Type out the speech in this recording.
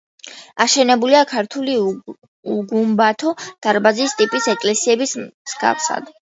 აშენებულია ქართული უგუმბათო, დარბაზის ტიპის ეკლესიების მსგავსად.